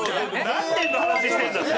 何年の話してんだって。